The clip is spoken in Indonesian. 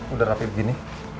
udah rapi begini